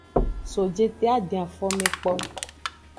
So jete a den afome kpo.